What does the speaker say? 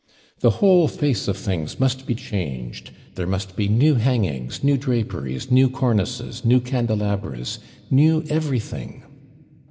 The whole face of things must be changed there must be new hangings, new draperies, new cornices, new candelabras, new everything!